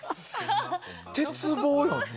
鉄棒よね？